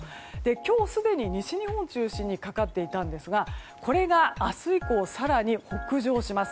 今日すでに、西日本を中心にかかっていたんですがこれが明日以降、更に北上します。